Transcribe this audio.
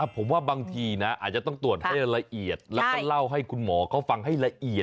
ผมว่าบางทีนะอาจจะต้องตรวจให้ละเอียดแล้วก็เล่าให้คุณหมอเขาฟังให้ละเอียด